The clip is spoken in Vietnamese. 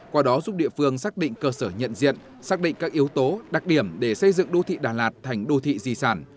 qua đó giúp địa phương xác định cơ sở nhận diện xác định các yếu tố đặc điểm để xây dựng đô thị đà lạt thành đô thị di sản